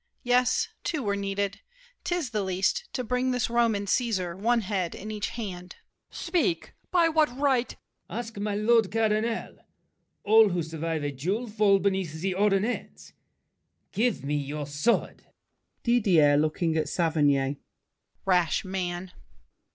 Yes, two were needed. 'Tis the least, to bring This Roman Cæsar one head in each hand. MARQUIS DE NANGIS. Speak! By what right— LAFFEMAS. Ask my lord cardinal. All who survive a duel fall beneath The ordinance. Give me your sword. DIDIER (looking at Saverny). Rash man!